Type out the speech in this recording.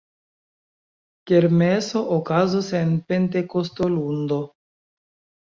Kermeso okazas en Pentekostolundo.